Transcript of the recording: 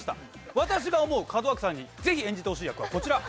私が思う門脇さんにぜひ演じてほしい役はこちら。